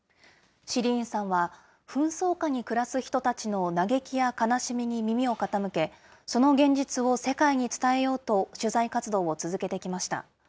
シリーンさんは紛争下に暮らす人たちの嘆きや悲しみに耳を傾け、その現実を世界に伝えようと取材活動を続けてきました。